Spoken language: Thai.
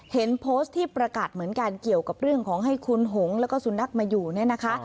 เห็นโพสต์ที่ประกาศเหมือนกันเกี่ยวกับเรื่องของให้คุณหงแล้วก็สุนัขมาอยู่เนี่ยนะคะ